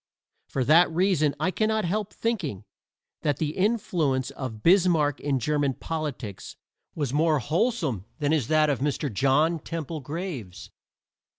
For that reason I cannot help thinking that the influence of Bismarck in German politics was more wholesome than is that of Mr. John Temple Graves.